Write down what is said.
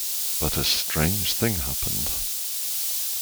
But a strange thing happened.